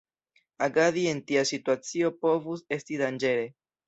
Agadi en tia situacio povus esti danĝere.